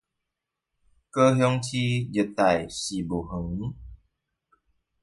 高雄市熱帶植物園